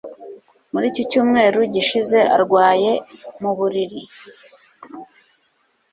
Muri iki cyumweru gishize arwaye mu buriri